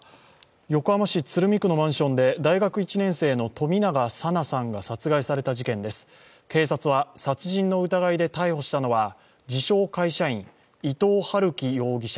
横浜市鶴見区のマンションで大学１年生の冨永紗菜さんが殺害された事件です、警察は殺人の疑いで逮捕したのは自称・会社員伊藤龍稀容疑者